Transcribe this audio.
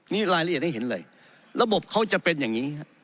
นี่รายละเอียดให้เห็นเลยระบบเขาจะเป็นอย่างนี้ครับ